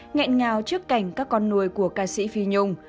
nghẹn ngào trước cảnh các con nuôi của ca sĩ phi nhung